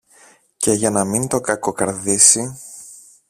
Και για να μην τον κακοκαρδίσει